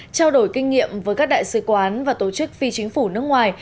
trao đổi kinh nghiệm với các đại sứ quán và tổ chức phi chính phủ nước ngoài